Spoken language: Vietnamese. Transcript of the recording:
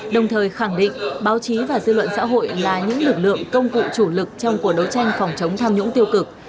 đồng thời khẳng định báo chí và dư luận xã hội là những lực lượng công cụ chủ lực trong cuộc đấu tranh phòng chống tham nhũng tiêu cực